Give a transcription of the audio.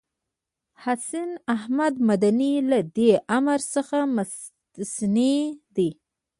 حسين احمد مدني له دې امر څخه مستثنی دی.